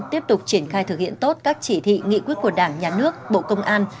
tiếp tục triển khai thực hiện tốt các chỉ thị nghị quyết của đảng nhà nước bộ công an